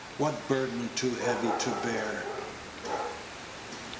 what burden too heavy to bear?"